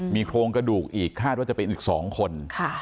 มีโครงกระดูกอีกคาดว่าจะเป็นอีก๒คน